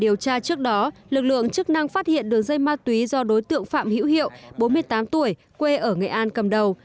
điều tra trước đó lực lượng chức năng phát hiện đường dây ma túy do đối tượng phạm hữu hiệu bốn mươi tám tuổi quê ở nghệ an cầm đầu